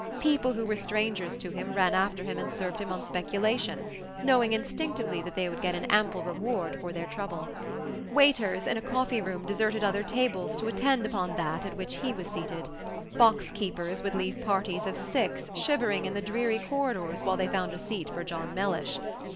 People who were strangers to him ran after him and served him on speculation, knowing instinctively that they would get an ample reward for their trouble. Waiters in a coffee room deserted other tables to attend upon that at which he was seated. Box keepers would leave parties of six shivering in the dreary corridors while they found a seat for John Mellish.